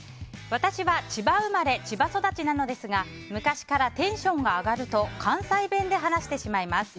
私は千葉生まれ千葉育ちなのですが昔からテンションが上がると関西弁で話してしまいます。